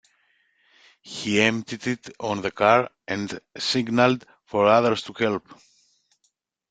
He emptied it on the car and signalled for others to help.